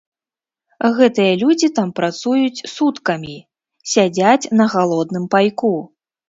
Гэтыя людзі там працуюць суткамі, сядзяць на галодным пайку.